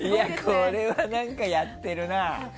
これは何か、やってるな！